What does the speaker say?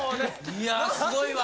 いやすごいわ。